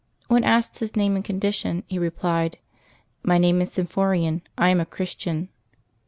When asked his name and condition, he replied, " My name is Symphorian; I am a Christian.'